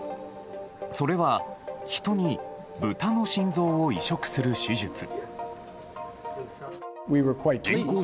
それは、人に豚の心臓を移植する手術。